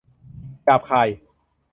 หยาบคาย